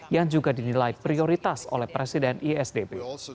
yang juga dinilai prioritas oleh presiden isdp